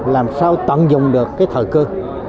làm sao tận dụng được cái thợ cơ